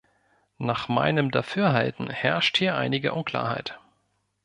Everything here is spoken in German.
Nach meinem Dafürhalten herrscht hier einige Unklarheit.